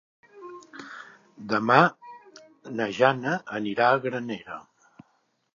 Demà na Jana anirà a Granera.